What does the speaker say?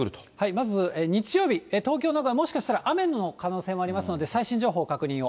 まず日曜日、東京などはもしかしたら雨の可能性もありますので、最新情報、確認を。